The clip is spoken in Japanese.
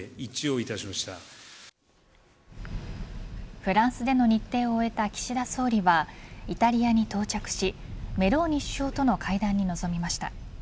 フランスでの日程を終えた岸田総理はイタリアに到着しメローニ首相との会談に臨みました。